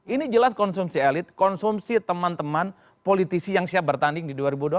ini jelas konsumsi elit konsumsi teman teman politisi yang siap bertanding di dua ribu dua puluh